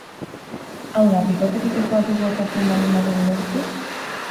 Hau da, bikoterik ez badugu eta ezin baldin badugu lortu?